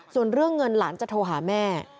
ส่วนเรื่องเงินหลานจะโทรหาแม่